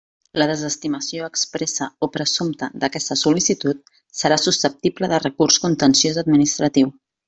La desestimació expressa o presumpta d'aquesta sol·licitud serà susceptible de recurs contenciós administratiu.